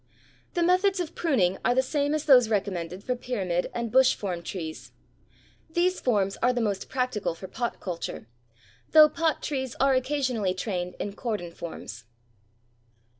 The methods of pruning are the same as those recommended for pyramid and bush form trees. These forms are the most practical for pot culture, though pot trees are occasionally trained in cordon forms.